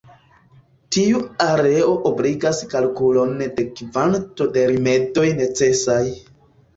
Tiu areo ebligas kalkulon de kvanto de rimedoj necesaj.